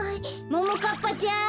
ももかっぱちゃん。